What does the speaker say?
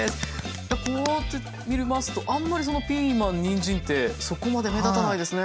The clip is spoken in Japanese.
こうやって見ますとあんまりピーマンにんじんってそこまで目立たないですね。